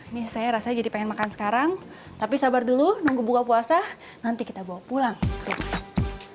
ini saya rasa jadi pengen makan sekarang tapi sabar dulu nunggu buka puasa nanti kita bawa pulang ke rumah